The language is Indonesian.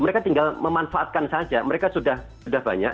mereka tinggal memanfaatkan saja mereka sudah banyak